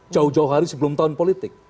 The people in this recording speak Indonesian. jauh jauh hari sebelum tahun politik